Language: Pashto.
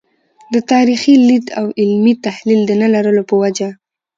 د تاریخي لید او علمي تحلیل د نه لرلو په وجه.